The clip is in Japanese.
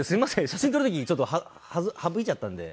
写真撮る時にちょっと省いちゃったんで。